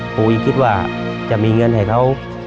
ปุ๋ยคิดว่าจะมีเงินให้เขา